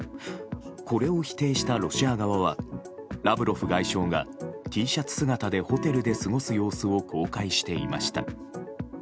これを否定したロシア側はラブロフ外相がＴシャツ姿でホテルで過ごす様子を公開していました。